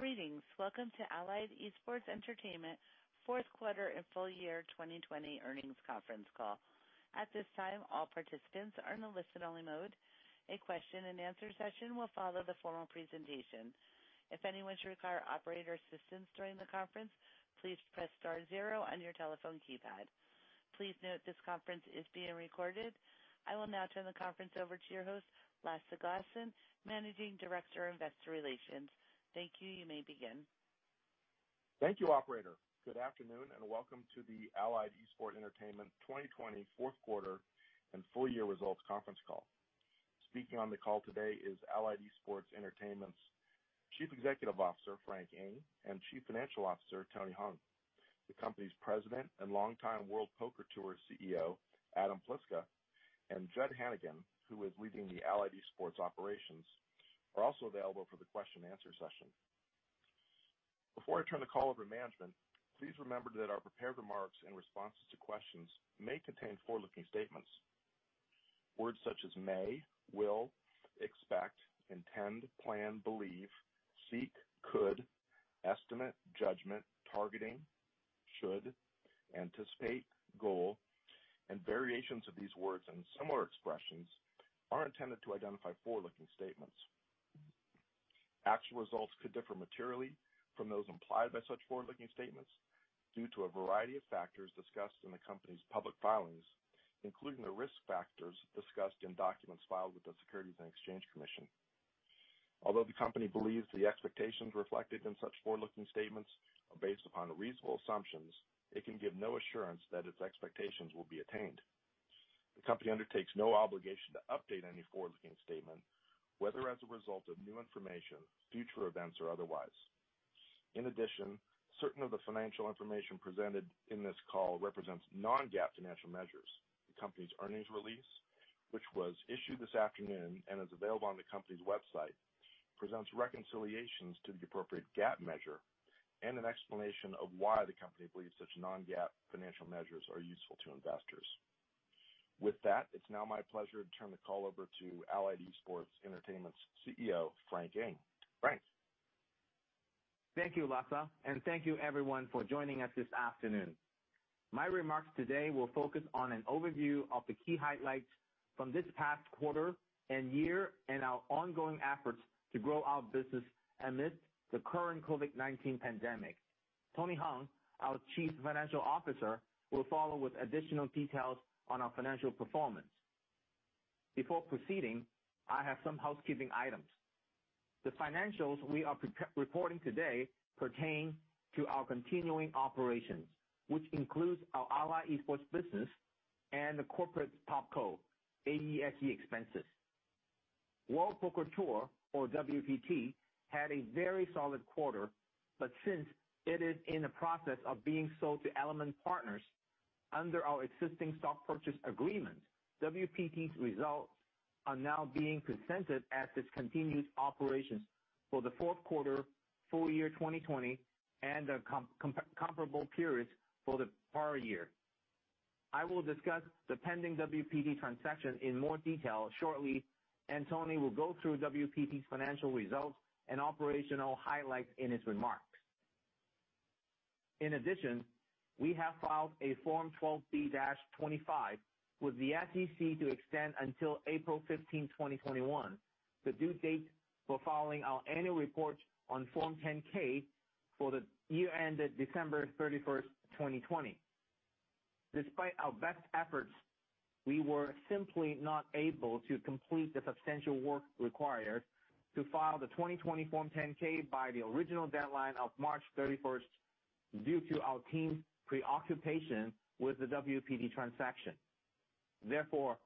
Greetings. Welcome to Allied Esports Entertainment fourth quarter and full year 2020 earnings conference call. At this time, all participants are in listen-only mode. A question and answer session will follow the formal presentation. If anyone should require operator assistance during the conference, please press star zero on your telephone keypad. Please note this conference is being recorded. I will now turn the conference over to your host, Lasse Glassen, Managing Director of Investor Relations. Thank you. You may begin. Thank you, operator. Good afternoon, welcome to the Allied Esports Entertainment 2020 fourth quarter and full year results conference call. Speaking on the call today is Allied Esports Entertainment's Chief Executive Officer, Frank Ng, and Chief Financial Officer, Tony Hung. The company's president and longtime World Poker Tour CEO, Adam Pliska, and Jud Hannigan, who is leading the Allied Esports operations, are also available for the question and answer session. Before I turn the call over to management, please remember that our prepared remarks in responses to questions may contain forward-looking statements. Words such as may, will, expect, intend, plan, believe, seek, could, estimate, judgment, targeting, should, anticipate, goal, and variations of these words and similar expressions are intended to identify forward-looking statements. Actual results could differ materially from those implied by such forward-looking statements due to a variety of factors discussed in the company's public filings, including the risk factors discussed in documents filed with the Securities and Exchange Commission. Although the company believes the expectations reflected in such forward-looking statements are based upon reasonable assumptions, it can give no assurance that its expectations will be attained. The company undertakes no obligation to update any forward-looking statement, whether as a result of new information, future events, or otherwise. In addition, certain of the financial information presented in this call represents non-GAAP financial measures. The company's earnings release, which was issued this afternoon and is available on the company's website, presents reconciliations to the appropriate GAAP measure and an explanation of why the company believes such non-GAAP financial measures are useful to investors. With that, it's now my pleasure to turn the call over to Allied Esports Entertainment CEO, Frank Ng. Frank? Thank you, Lasse, and thank you everyone for joining us this afternoon. My remarks today will focus on an overview of the key highlights from this past quarter and year and our ongoing efforts to grow our business amidst the current COVID-19 pandemic. Tony Hung, our Chief Financial Officer, will follow with additional details on our financial performance. Before proceeding, I have some housekeeping items. The financials we are reporting today pertain to our continuing operations, which includes our Allied Esports business and the corporate TopCo, AESE expenses. World Poker Tour, or WPT, had a very solid quarter, since it is in the process of being sold to Element Partners under our existing stock purchase agreement, WPT's results are now being presented as discontinued operations for the fourth quarter full year 2020 and the comparable periods for the prior year. I will discuss the pending WPT transaction in more detail shortly, and Tony will go through WPT's financial results and operational highlights in his remarks. In addition, we have filed a Form 12b-25 with the SEC to extend until April 15, 2021, the due date for filing our annual report on Form 10-K for the year ended December 31, 2020. Despite our best efforts, we were simply not able to complete the substantial work required to file the 2020 Form 10-K by the original deadline of March 31 due to our team's preoccupation with the WPT transaction. Therefore,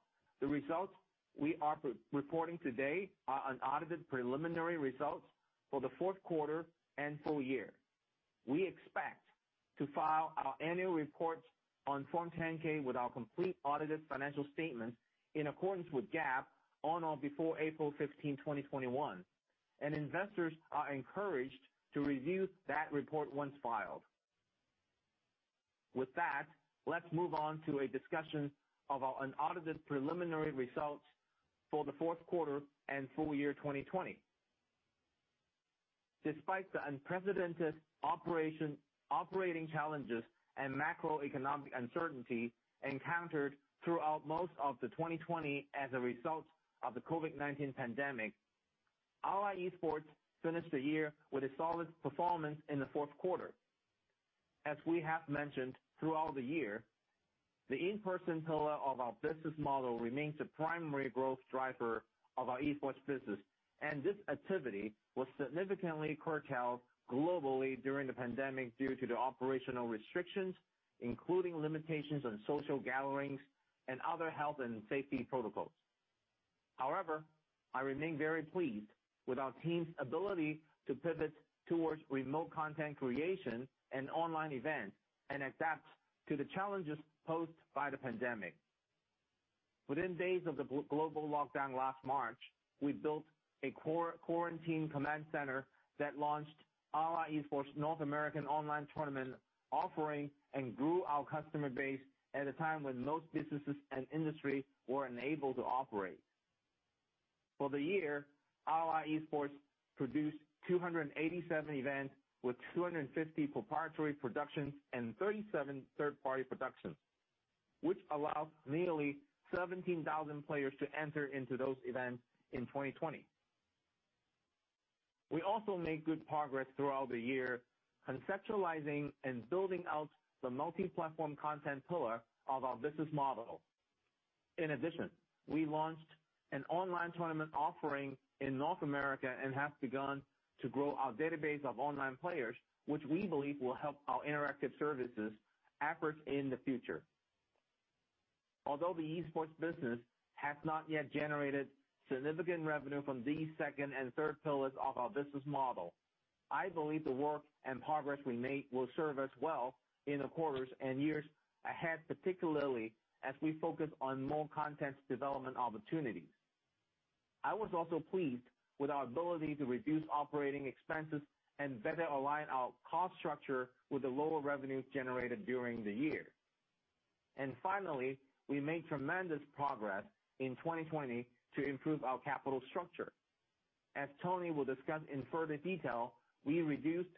the results we are reporting today are unaudited preliminary results for the fourth quarter and full year. We expect to file our annual report on Form 10-K with our complete audited financial statements in accordance with GAAP on or before April 15, 2021. Investors are encouraged to review that report once filed. With that, let's move on to a discussion of our unaudited preliminary results for the fourth quarter and full year 2020. Despite the unprecedented operating challenges and macroeconomic uncertainty encountered throughout most of the 2020 as a result of the COVID-19 pandemic, Allied Esports finished the year with a solid performance in the fourth quarter. As we have mentioned throughout the year, the in-person pillar of our business model remains the primary growth driver of our esports business, and this activity was significantly curtailed globally during the pandemic due to the operational restrictions, including limitations on social gatherings and other health and safety protocols. However, I remain very pleased with our team's ability to pivot towards remote content creation and online events and adapt to the challenges posed by the pandemic. Within days of the global lockdown last March, we built a quarantine command center that launched Allied Esports' North American online tournament offering and grew our customer base at a time when most businesses and industries were unable to operate. For the year, Allied Esports produced 287 events with 250 proprietary productions and 37 third-party productions, which allowed nearly 17,000 players to enter into those events in 2020. We also made good progress throughout the year conceptualizing and building out the multi-platform content pillar of our business model. In addition, we launched an online tournament offering in North America and have begun to grow our database of online players, which we believe will help our interactive services efforts in the future. Although the esports business has not yet generated significant revenue from these second and third pillars of our business model, I believe the work and progress we made will serve us well in the quarters and years ahead, particularly as we focus on more content development opportunities. I was also pleased with our ability to reduce operating expenses and better align our cost structure with the lower revenues generated during the year. Finally, we made tremendous progress in 2020 to improve our capital structure. As Tony will discuss in further detail, we reduced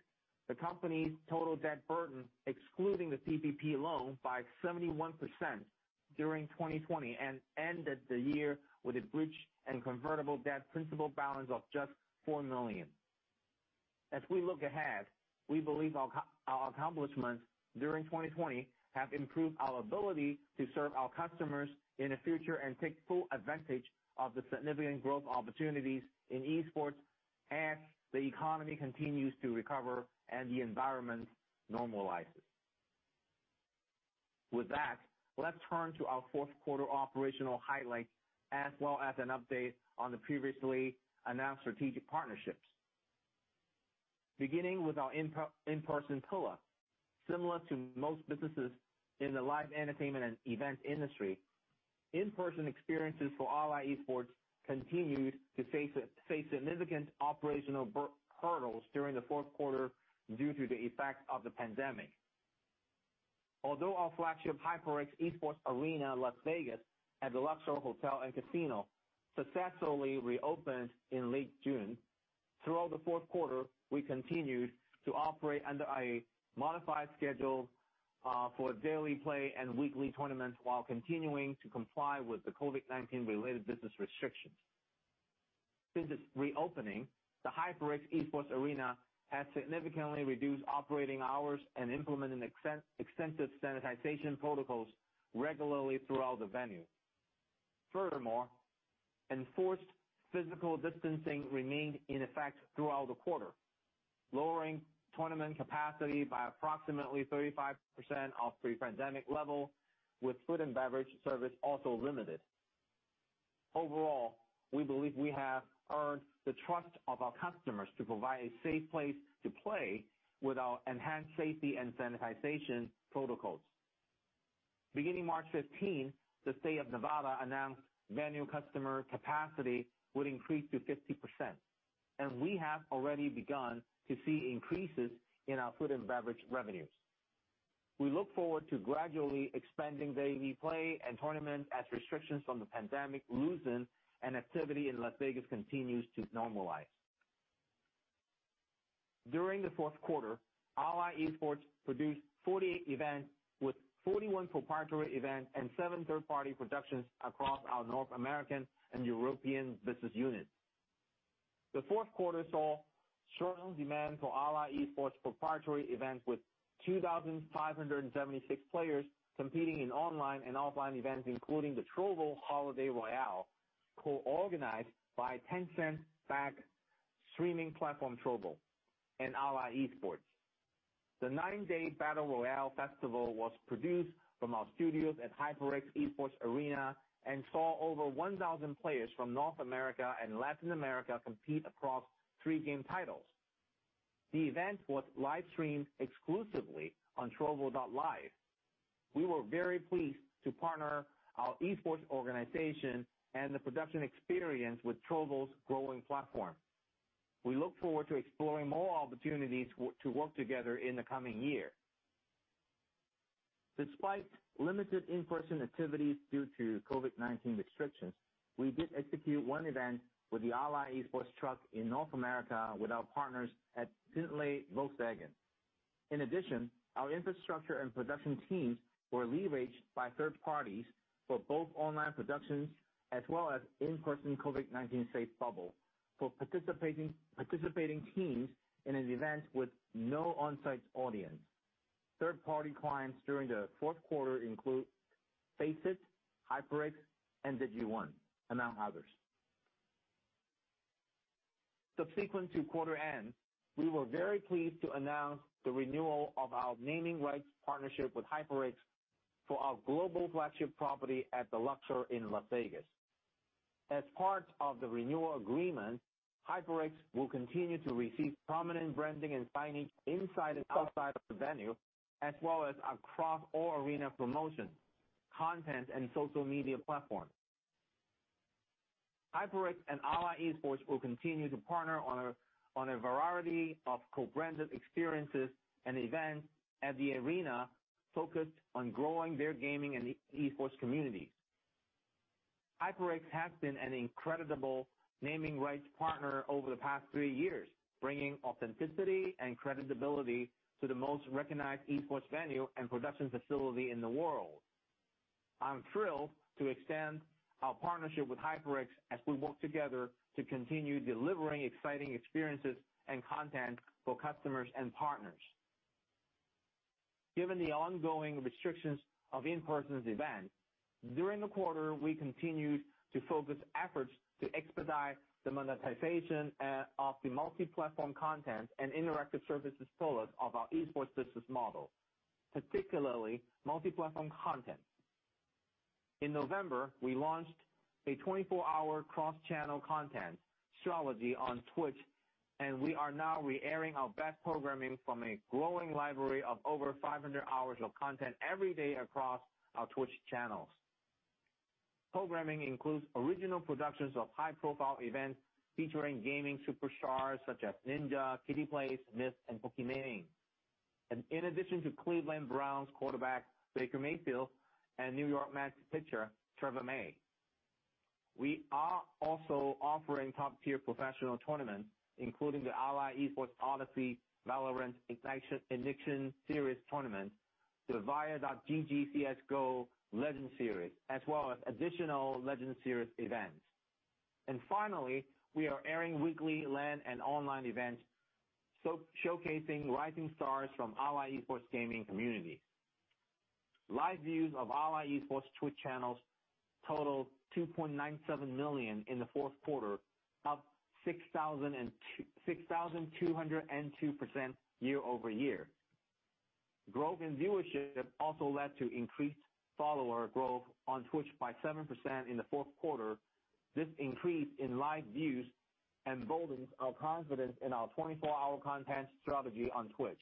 the company's total debt burden, excluding the PPP loan, by 71% during 2020, and ended the year with a bridge and Convertible Debt principal balance of just $4 million. As we look ahead, we believe our accomplishments during 2020 have improved our ability to serve our customers in the future and take full advantage of the significant growth opportunities in esports as the economy continues to recover and the environment normalizes. With that, let's turn to our fourth quarter operational highlights, as well as an update on the previously announced strategic partnerships. Beginning with our in-person pillar, similar to most businesses in the live entertainment and event industry, in-person experiences for Allied Esports continued to face significant operational hurdles during the fourth quarter due to the effect of the pandemic. Although our flagship HyperX Esports Arena in Las Vegas at the Luxor Hotel & Casino successfully reopened in late June, throughout the fourth quarter, we continued to operate under a modified schedule for daily play and weekly tournaments while continuing to comply with the COVID-19 related business restrictions. Since its reopening, the HyperX Esports Arena has significantly reduced operating hours and implemented extensive sanitization protocols regularly throughout the venue. Furthermore, enforced physical distancing remained in effect throughout the quarter, lowering tournament capacity by approximately 35% off pre-pandemic level, with food and beverage service also limited. Overall, we believe we have earned the trust of our customers to provide a safe place to play with our enhanced safety and sanitization protocols. Beginning March 15, the State of Nevada announced venue customer capacity would increase to 50%, and we have already begun to see increases in our food and beverage revenues. We look forward to gradually expanding daily play and tournaments as restrictions from the pandemic loosen and activity in Las Vegas continues to normalize. During the fourth quarter, Allied Esports produced 48 events, with 41 proprietary events and seven third-party productions across our North American and European business units. The fourth quarter saw strong demand for Allied Esports proprietary events, with 2,576 players competing in online and offline events, including the Trovo Holiday Royale, co-organized by Tencent-backed streaming platform Trovo and Allied Esports. The nine-day battle royale festival was produced from our studios at HyperX Esports Arena and saw over 1,000 players from North America and Latin America compete across three game titles. The event was live-streamed exclusively on Trovo.live. We were very pleased to partner our esports organization and the production experience with Trovo's growing platform. We look forward to exploring more opportunities to work together in the coming year. Despite limited in-person activities due to COVID-19 restrictions, we did execute one event with the Allied Esports Truck in North America with our partners at Bentley, Volkswagen. In addition, our infrastructure and production teams were leveraged by third parties for both online productions as well as in-person COVID-19 safe bubble for participating teams in an event with no on-site audience. Third-party clients during the fourth quarter include FACEIT, HyperX, and DIGI1, among others. Subsequent to quarter end, we were very pleased to announce the renewal of our naming rights partnership with HyperX for our global flagship property at the Luxor in Las Vegas. As part of the renewal agreement, HyperX will continue to receive prominent branding and signage inside and outside of the venue, as well as across all arena promotions, content, and social media platforms. HyperX and Allied Esports will continue to partner on a variety of co-branded experiences and events at the arena focused on growing their gaming and esports communities. HyperX has been an incredible naming rights partner over the past three years, bringing authenticity and credibility to the most recognized esports venue and production facility in the world. I'm thrilled to extend our partnership with HyperX as we work together to continue delivering exciting experiences and content for customers and partners. Given the ongoing restrictions of in-person events, during the quarter, we continued to focus efforts to expedite the monetization of the multi-platform content and interactive services pillars of our esports business model, particularly multi-platform content. In November, we launched a 24-hour cross-channel content strategy on Twitch, and we are now re-airing our best programming from a growing library of over 500 hours of content every day across our Twitch channels. Programming includes original productions of high-profile events featuring gaming superstars such as Ninja, KittyPlays, Myth, and Pokimane. In addition to Cleveland Browns quarterback Baker Mayfield and New York Mets pitcher Trevor May. We are also offering top-tier professional tournaments, including the Allied Esports Odyssey Valorant Ignition Series tournament, the VIE.gg CS:GO Legend Series, as well as additional Legend Series events. Finally, we are airing weekly LAN and online events showcasing rising stars from Allied Esports gaming community. Live views of Allied Esports Twitch channels totaled 2.97 million in the fourth quarter, up 6,202% year over year. Growth in viewership also led to increased follower growth on Twitch by 7% in the fourth quarter. This increase in live views emboldens our confidence in its 24-hour content strategy on Twitch.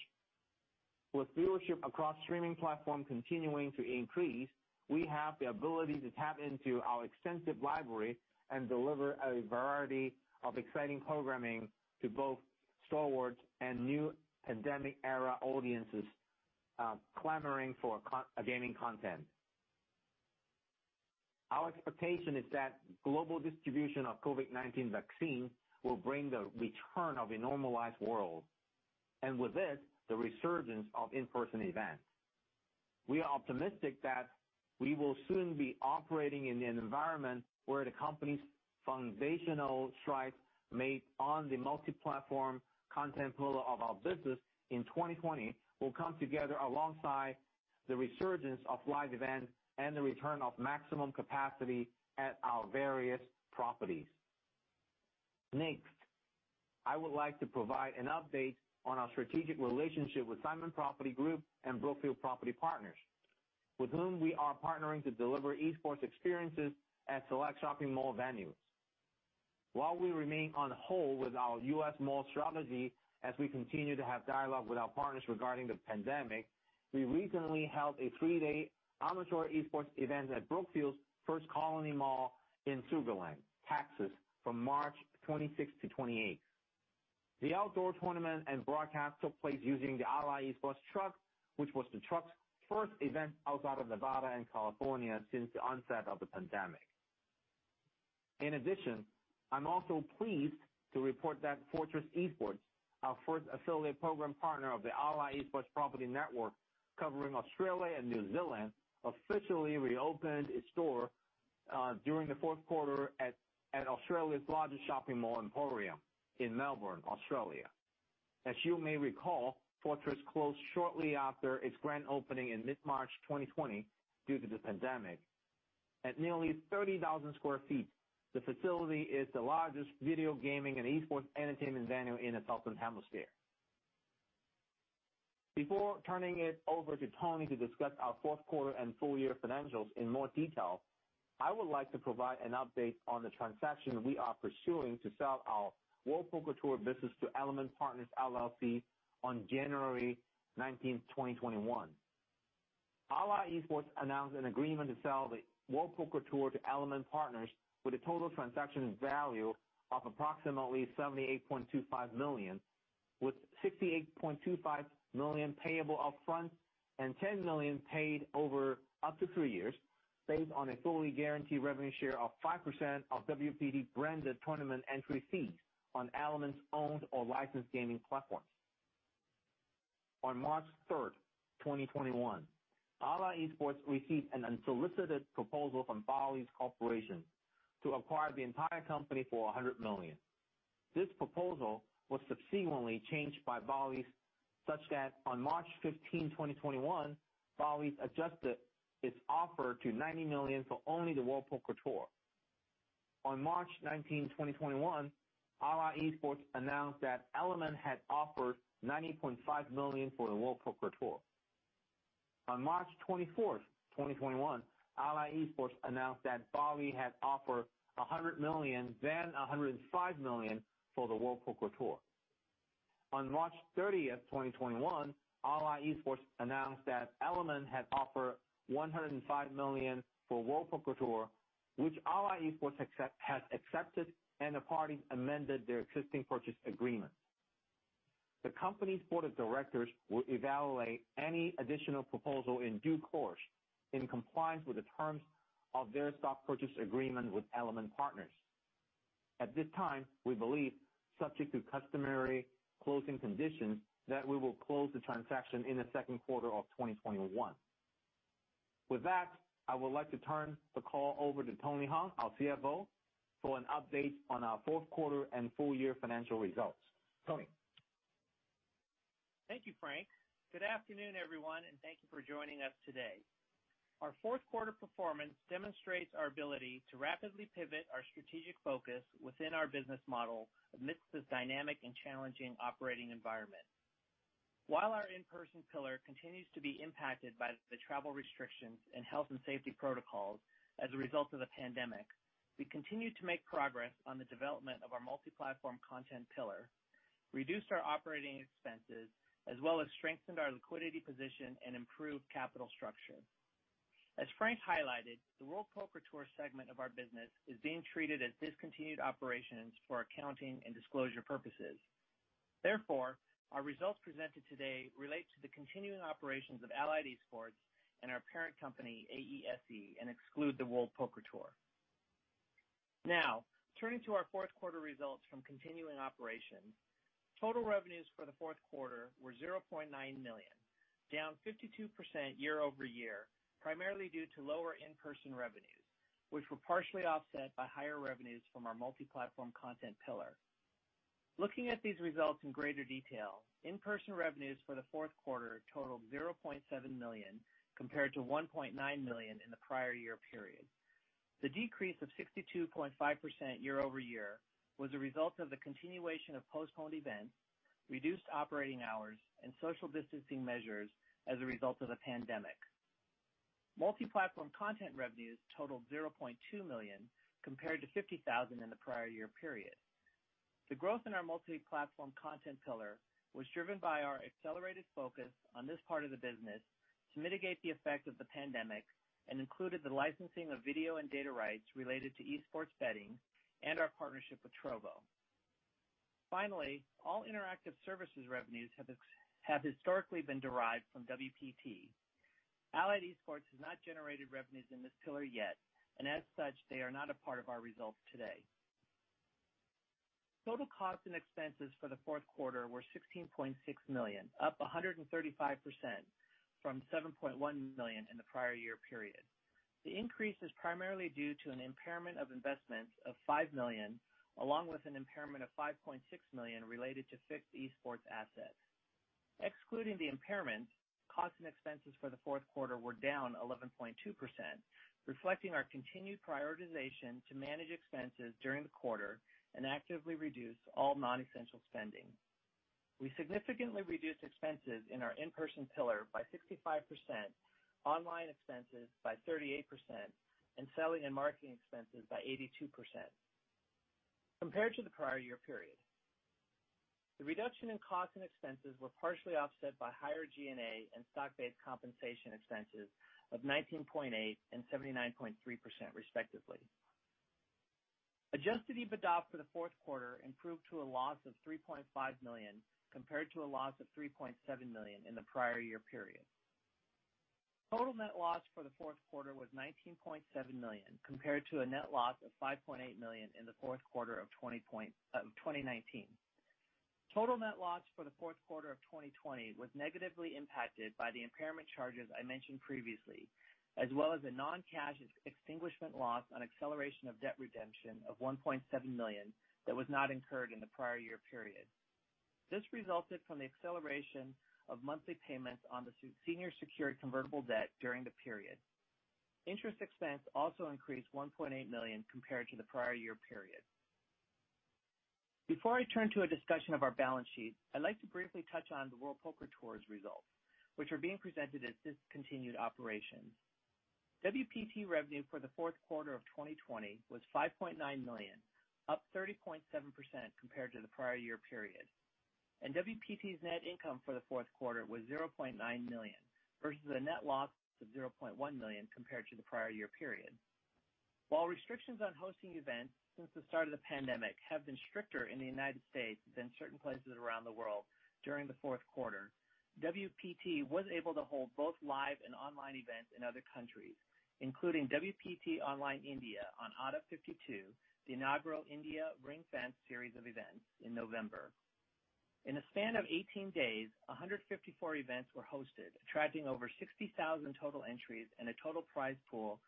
With viewership across streaming platforms continuing to increase, we have the ability to tap into our extensive library and deliver a variety of exciting programming to both stalwart and new pandemic-era audiences clamoring for gaming content. Our expectation is that global distribution of COVID-19 vaccine will bring the return of a normalized world, and with it, the resurgence of in-person events. We are optimistic that we will soon be operating in an environment where the company's foundational strides made on the multi-platform content pillar of our business in 2020 will come together alongside the resurgence of live events and the return of maximum capacity at our various properties. Next, I would like to provide an update on our strategic relationship with Simon Property Group and Brookfield Property Partners, with whom we are partnering to deliver esports experiences at select shopping mall venues. While we remain on hold with our U.S. mall strategy as we continue to have dialogue with our partners regarding the pandemic, we recently held a three-day amateur esports event at Brookfield's First Colony Mall in Sugar Land, Texas, from March 26th-28th. The outdoor tournament and broadcast took place using the Allied Esports Truck, which was the Truck's first event outside of Nevada and California since the onset of the pandemic. In addition, I'm also pleased to report that Fortress Esports, our first affiliate program partner of the Allied Esports property network covering Australia and New Zealand, officially reopened its store during the fourth quarter at Australia's largest shopping mall, Emporium, in Melbourne, Australia. As you may recall, Fortress closed shortly after its grand opening in mid-March 2020 due to the pandemic. At nearly 30,000 square feet, the facility is the largest video gaming and esports entertainment venue in the Southern Hemisphere. Before turning it over to Tony to discuss our fourth quarter and full-year financials in more detail, I would like to provide an update on the transaction we are pursuing to sell our World Poker Tour business to Element Partners, LLC on January 19th, 2021. Allied Esports announced an agreement to sell the World Poker Tour to Element Partners with a total transaction value of approximately $78.25 million, with $68.25 million payable up front and $10 million paid over up to three years, based on a fully guaranteed revenue share of 5% of WPT-branded tournament entry fees on Element's owned or licensed gaming platforms. On March 3rd, 2021, Allied Esports received an unsolicited proposal from Bally's Corporation to acquire the entire company for $100 million. This proposal was subsequently changed by Bally's such that on March 15, 2021, Bally's adjusted its offer to $90 million for only the World Poker Tour. On March 19, 2021, Allied Esports announced that Element had offered $90.5 million for the World Poker Tour. On March 24th, 2021, Allied Esports announced that Bally's had offered $100 million, then $105 million, for the World Poker Tour. On March 30th, 2021, Allied Esports announced that Element had offered $105 million for World Poker Tour, which Allied Esports has accepted, and the parties amended their existing purchase agreement. The company's board of directors will evaluate any additional proposal in due course, in compliance with the terms of their stock purchase agreement with Element Partners. At this time, we believe, subject to customary closing conditions, that we will close the transaction in the second quarter of 2021. With that, I would like to turn the call over to Tony Hung, our CFO, for an update on our fourth quarter and full year financial results. Tony? Thank you, Frank. Good afternoon, everyone, and thank you for joining us today. Our fourth quarter performance demonstrates our ability to rapidly pivot our strategic focus within our business model amidst this dynamic and challenging operating environment. While our in-person pillar continues to be impacted by the travel restrictions and health and safety protocols as a result of the pandemic, we continue to make progress on the development of our multi-platform content pillar, reduced our operating expenses, as well as strengthened our liquidity position and improved capital structure. As Frank highlighted, the World Poker Tour segment of our business is being treated as discontinued operations for accounting and disclosure purposes. Therefore, our results presented today relate to the continuing operations of Allied Esports and our parent company, AESE, and exclude the World Poker Tour. Turning to our fourth quarter results from continuing operations. Total revenues for the fourth quarter were $0.9 million, down 52% year-over-year, primarily due to lower in-person revenues, which were partially offset by higher revenues from our multi-platform content pillar. Looking at these results in greater detail, in-person revenues for the fourth quarter totaled $0.7 million compared to $1.9 million in the prior year period. The decrease of 62.5% year-over-year was a result of the continuation of postponed events, reduced operating hours, and social distancing measures as a result of the pandemic. Multi-platform content revenues totaled $0.2 million compared to $50,000 in the prior year period. The growth in our multi-platform content pillar was driven by our accelerated focus on this part of the business to mitigate the effect of the pandemic, and included the licensing of video and data rights related to esports betting and our partnership with Trovo. Finally, all interactive services revenues have historically been derived from WPT. Allied Esports has not generated revenues in this pillar yet, and as such, they are not a part of our results today. Total costs and expenses for the fourth quarter were $16.6 million, up 135% from $7.1 million in the prior year period. The increase is primarily due to an impairment of investments of $5 million, along with an impairment of $5.6 million related to fixed esports assets. Excluding the impairment, costs and expenses for the fourth quarter were down 11.2%, reflecting our continued prioritization to manage expenses during the quarter and actively reduce all non-essential spending. We significantly reduced expenses in our in-person pillar by 65%, online expenses by 38%, and selling and marketing expenses by 82% compared to the prior year period. The reduction in costs and expenses were partially offset by higher G&A and stock-based compensation expenses of 19.8% and 79.3% respectively. Adjusted EBITDA for the fourth quarter improved to a loss of $3.5 million compared to a loss of $3.7 million in the prior year period. Total net loss for the fourth quarter was $19.7 million compared to a net loss of $5.8 million in the fourth quarter of 2019. Total net loss for the fourth quarter of 2020 was negatively impacted by the impairment charges I mentioned previously, as well as a non-cash extinguishment loss on acceleration of debt redemption of $1.7 million that was not incurred in the prior year period. This resulted from the acceleration of monthly payments on the senior secured Convertible Debt during the period. Interest expense also increased $1.8 million compared to the prior year period. Before I turn to a discussion of our balance sheet, I'd like to briefly touch on the World Poker Tour results, which are being presented as discontinued operations. WPT revenue for the fourth quarter of 2020 was $5.9 million, up 30.7% compared to the prior year period, and WPT's net income for the fourth quarter was $0.9 million, versus a net loss of $0.1 million compared to the prior year period. While restrictions on hosting events since the start of the pandemic have been stricter in the United States than certain places around the world during the fourth quarter, WPT was able to hold both live and online events in other countries, including WPT Online India on Adda52, the inaugural India ring-fence series of events in November. In a span of 18 days, 154 events were hosted, attracting over 60,000 total entries and a total prize pool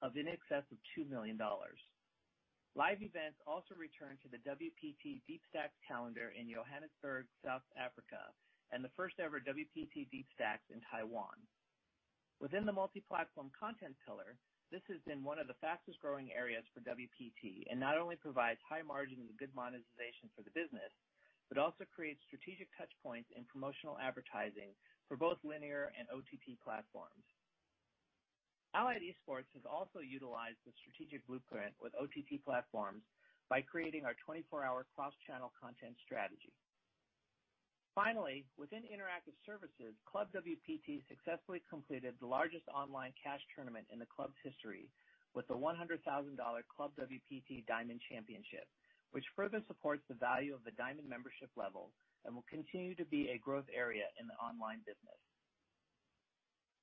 of in excess of $2 million. Live events also returned to the WPT DeepStacks calendar in Johannesburg, South Africa, and the first-ever WPT DeepStacks in Taiwan. Within the multi-platform content pillar, this has been one of the fastest-growing areas for WPT and not only provides high margin and good monetization for the business, but also creates strategic touchpoints in promotional advertising for both linear and OTT platforms. Allied Esports has also utilized the strategic blueprint with OTT platforms by creating our 24-hour cross-channel content strategy. Finally, within interactive services, ClubWPT successfully completed the largest online cash tournament in the club's history with the $100,000 ClubWPT Diamond Championship, which further supports the value of the Diamond membership level and will continue to be a growth area in the online business.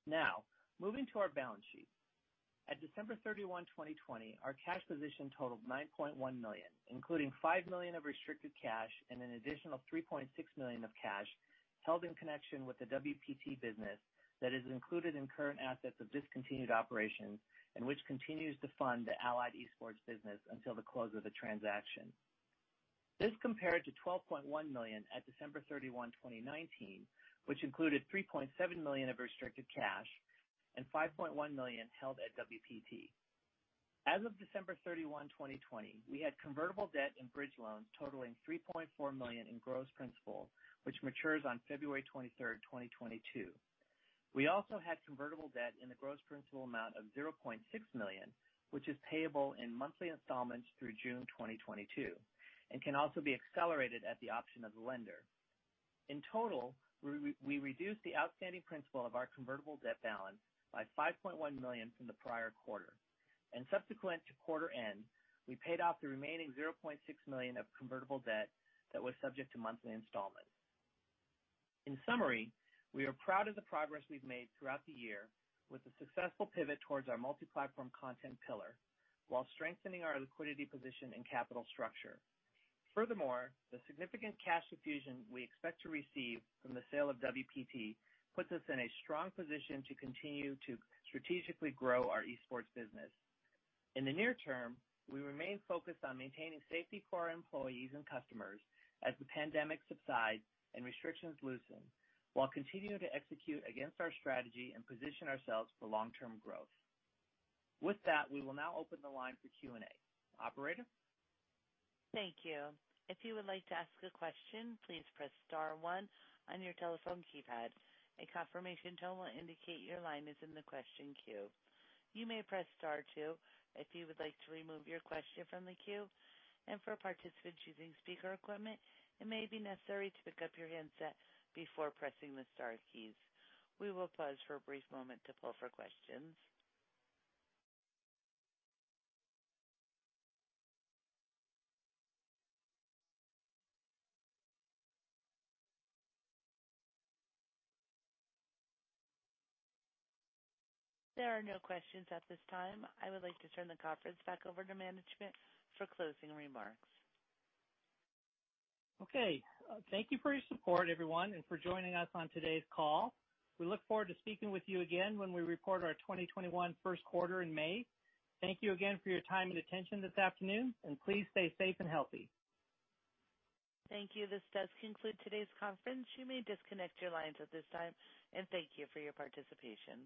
Now, moving to our balance sheet. At December 31, 2020, our cash position totaled $9.1 million, including $5 million of restricted cash and an additional $3.6 million of cash held in connection with the WPT business that is included in current assets of discontinued operations and which continues to fund the Allied Esports business until the close of the transaction. This compared to $12.1 million at December 31, 2019, which included $3.7 million of restricted cash and $5.1 million held at WPT. As of December 31, 2020, we had Convertible Debt and bridge loans totaling $3.4 million in gross principal, which matures on February 23rd, 2022. We also had Convertible Debt in the gross principal amount of $0.6 million, which is payable in monthly installments through June 2022 and can also be accelerated at the option of the lender. In total, we reduced the outstanding principal of our Convertible Debt balance by $5.1 million from the prior quarter. Subsequent to quarter end, we paid off the remaining $0.6 million of Convertible Debt that was subject to monthly installments. In summary, we are proud of the progress we've made throughout the year with the successful pivot towards our multi-platform content pillar while strengthening our liquidity position and capital structure. The significant cash infusion we expect to receive from the sale of WPT puts us in a strong position to continue to strategically grow our esports business. In the near term, we remain focused on maintaining safety for our employees and customers as the pandemic subsides and restrictions loosen, while continuing to execute against our strategy and position ourselves for long-term growth. With that, we will now open the line for Q&A. Operator? Thank you. If you would like to ask a question, please press star one on your telephone keypad. A confirmation tone will indicate your line is in the question queue. You may press star two if you would like to remove your question from the queue. And for participants using speaker equipment, it may be necessary to pick up your handset before pressing the star keys. We will pause for a brief moment to poll for questions. There are no questions at this time. I would like to turn the conference back over to management for closing remarks. Okay. Thank you for your support, everyone, and for joining us on today's call. We look forward to speaking with you again when we report our 2021 first quarter in May. Thank you again for your time and attention this afternoon, and please stay safe and healthy. Thank you. This does conclude today's conference. You may disconnect your lines at this time, and thank you for your participation.